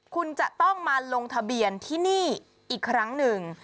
คุณจะต้องมาลงทะเบียนที่นี่อีกครั้งหนึ่ง